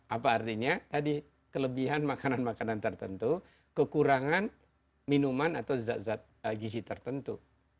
apa artinya tadi kelebihan makanan makanan tertentu kekurangan minuman atau zat zat gizi tertentu